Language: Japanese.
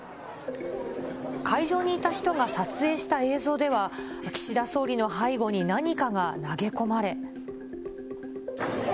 会場にいた人が撮影した映像では、岸田総理の背後に何かが投げ込まれ。